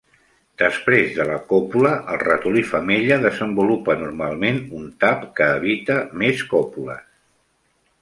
Després de la còpula, el ratolí femella desenvolupa normalment un tap que evita més còpules.